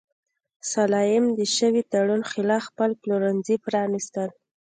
سلایم د شوي تړون خلاف خپل پلورنځي پرانیستل.